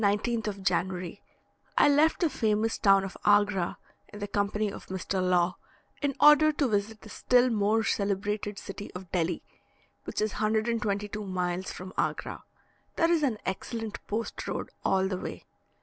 On the 19th of January I left the famous town of Agra, in the company of Mr. Law, in order to visit the still more celebrated city of Delhi, which is 122 miles from Agra. There is an excellent post road all the way.